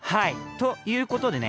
ということでね